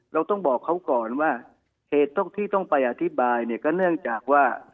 เราต้องบอกเขาก่อนว่าเหตุที่ต้องไปอธิบายเนี่ยก็เนื่องจากว่า